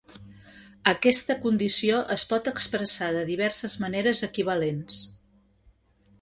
Aquesta condició es pot expressar de diverses maneres equivalents.